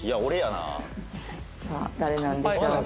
「さあ誰なんでしょうか？」